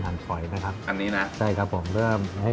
มาดูว่าจะเข้ามาใส่กัน